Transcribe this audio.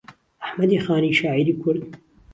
ئەحمەدی خانی شاعیری کورد